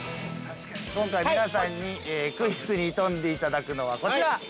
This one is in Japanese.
今回皆さんにクイズに挑んでいただくのは、こちら。